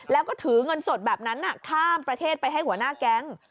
แล้วก็ถือเงินสดแบบนั้นข้ามประเทศไปให้หัวหน้าแก๊ง